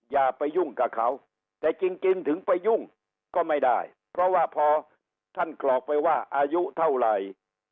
อย่าไปยุ่งกับเขาแต่จริงถึงไปยุ่งก็ไม่ได้เพราะว่าพอท่านกรอกไปว่าอายุเท่าไหร่